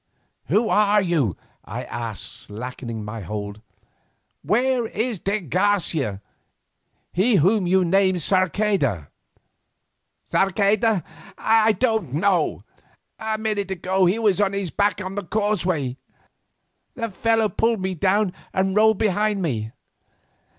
"Who are you?" I asked, slackening my hold. "Where is de Garcia—he whom you name Sarceda?" "Sarceda? I don't know. A minute ago he was on his back on the causeway. The fellow pulled me down and rolled behind me.